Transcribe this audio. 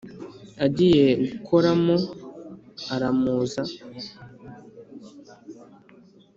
agiye gukoramo aramuza